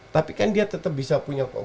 tapi kan dia tetap bisa punya kok